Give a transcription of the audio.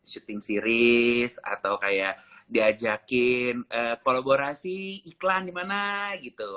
syuting series atau kayak diajakin kolaborasi iklan dimana gitu